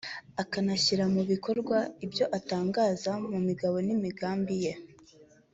akanashyira mu bikorwa ibyo atangaza mu migabo n’imigambi ye